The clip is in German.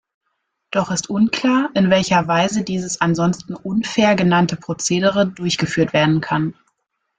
Doch ist unklar, in welcher Weise dieses ansonsten „unfair“ genannte Procedere durchgeführt werden kann.